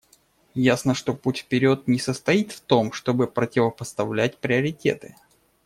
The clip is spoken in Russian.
Ясно, что путь вперед не состоит в том, чтобы противопоставлять приоритеты.